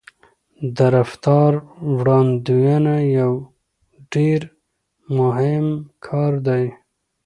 د رفتار وړاندوينه یو ډېر مهم کار دی.